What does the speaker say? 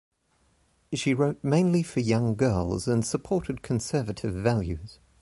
She wrote mainly for young girls and supported conservative values.